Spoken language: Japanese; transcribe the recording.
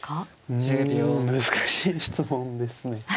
うん難しい質問ですね。